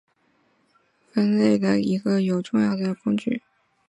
特征标理论是对有限简单群分类的一个有重要的工具。